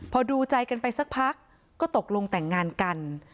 พอดูใจกันไปสักพักก็ตกลงแต่งงานกัน